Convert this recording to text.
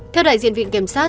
theo đại diện viện kiểm sát